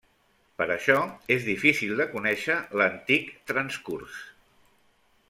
Per això és difícil de conèixer l'antic transcurs.